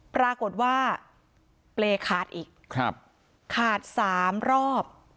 ปรากฏว่าเปรย์ขาดอีกครับขาดสามรอบ